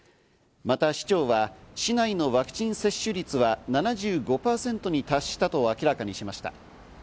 また、市長は市内のワクチン接種率は７５％に達したと明らかにしました。